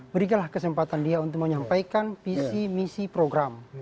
berikanlah kesempatan dia untuk menyampaikan visi misi program